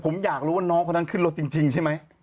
ผมอยากรู้ว่าน้องคนนั้นขึ้นรถจริงใช่ไหม